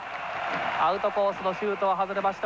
アウトコースのシュートは外れました。